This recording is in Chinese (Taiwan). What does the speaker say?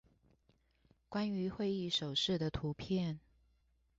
關於會議手勢的圖片